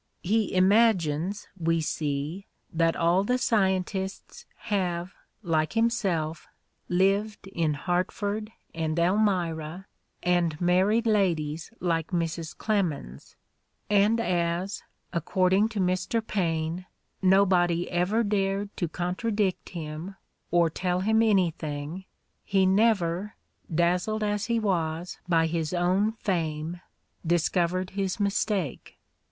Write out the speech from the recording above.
He imagines, we see, that all the scientists have, like himself, lived in Hartford and Elmira and married ladies like Mrs. Clemens; and as, according to Mr. Paine, nobody ever dared to contradict him or tell him anything, he never, dazzled as he was by his own fame, discovered his mistake.